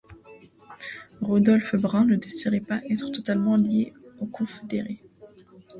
Rodolphe Brun ne désirait pas être totalement lié aux Confédérés.